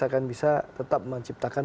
akan bisa tetap menciptakan